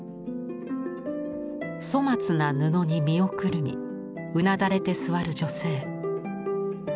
粗末な布に身をくるみうなだれて座る女性。